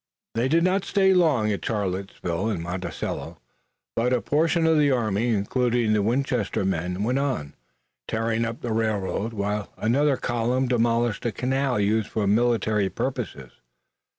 They did not stay long at Charlottesville and Monticello, but a portion of the army, including the Winchester men, went on, tearing up the railroad, while another column demolished a canal used for military purposes.